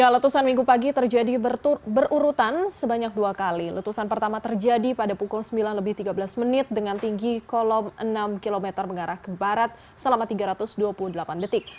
letusan minggu pagi terjadi berurutan sebanyak dua kali letusan pertama terjadi pada pukul sembilan lebih tiga belas menit dengan tinggi kolom enam km mengarah ke barat selama tiga ratus dua puluh delapan detik